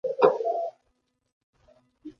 Its local government area is the City of Whittlesea.